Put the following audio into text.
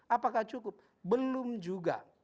apakah cukup belum juga